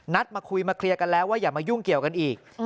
มาคุยมาเคลียร์กันแล้วว่าอย่ามายุ่งเกี่ยวกันอีก